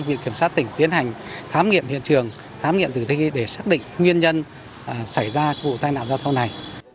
việc kiểm soát tỉnh tiến hành thám nghiệm hiện trường thám nghiệm tử thi để xác định nguyên nhân xảy ra vụ tai nạn giao thông này